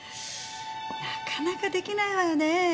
なかなか出来ないわよね。